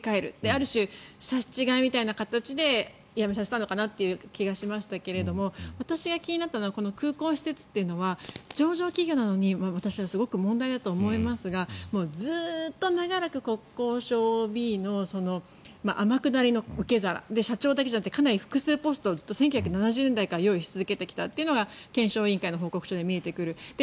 ある種、差し違えみたいな形で辞めさせたのかなと思いましたが私が気になったのはこの空港施設は、上場企業なのに私はすごく問題だと思いますがずっと長らく国交省ＯＢの天下りの受け皿で社長だけじゃなくてかなり複数ポストを１９７０年代から用意し続けてきたというのが検証委員会の報告書で見えてくる。